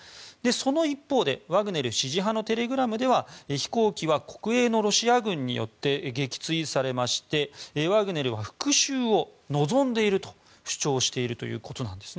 その一方でワグネル支持派のテレグラムでは飛行機は国営のロシア軍によって撃墜されましてワグネルは復讐を望んでいると主張しているということです。